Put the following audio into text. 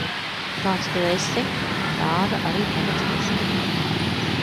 Kāds tu esi, tāda arī tava dziesma.